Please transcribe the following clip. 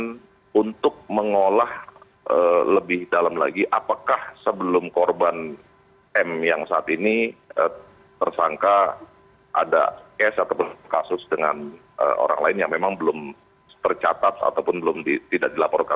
dan untuk mengolah lebih dalam lagi apakah sebelum korban m yang saat ini tersangka ada kes atau kasus dengan orang lain yang memang belum tercatat ataupun belum tidak dilaporkan